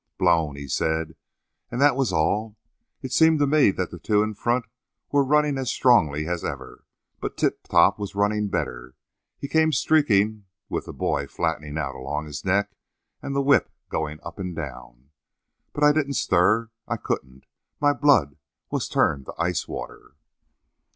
'Blown!' he said, and that was all. It seemed to me that the two in front were running as strongly as ever, but Tip Top was running better. He came streaking, with the boy flattening out along his neck and the whip going up and down. But I didn't stir. I couldn't; my blood was turned to ice water.